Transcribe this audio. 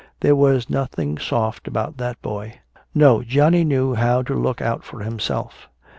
There was nothing soft about that boy. No, Johnny knew how to look out for himself.